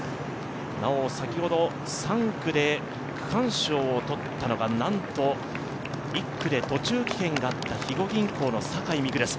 先ほど３区で区間賞を取ったのが、なんと１区で途中棄権があった、肥後銀行の酒井美玖です。